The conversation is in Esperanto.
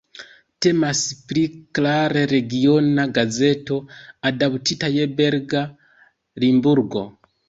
Temas pri klare regiona gazeto, adaptita je belga Limburgo.